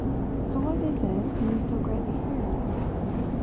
So what is it you so greatly fear?"